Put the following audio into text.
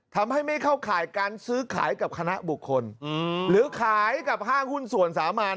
ทำให้ไม่เข้าข่ายการซื้อขายกับคณะบุคคลหรือขายกับห้างหุ้นส่วนสามาร